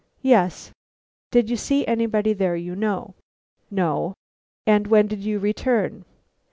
"Yes." "Did you see anybody there you know?" "No." "And when did you return?"